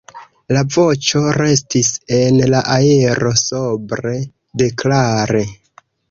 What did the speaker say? La voĉo restis en la aero sobre, deklare.